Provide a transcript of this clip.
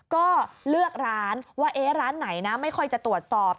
ก็เลือกร้านว่าร้านไหนนะไม่ค่อยจะตรวจสอบ